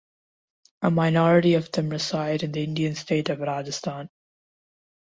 A minority of them reside in the Indian state of Rajasthan.